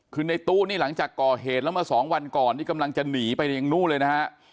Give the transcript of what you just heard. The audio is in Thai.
คือในตู้นี่หลังจากก่อเหตุแล้วเมื่อสองวันก่อนนี่กำลังจะหนีไปยังนู่นเลยนะฮะ